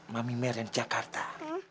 mami mer yang jakarta